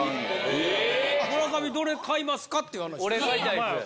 村上どれ買いますかっていう話です。